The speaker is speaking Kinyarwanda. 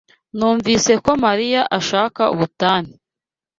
Numvise ko Mariya ashaka ubutane.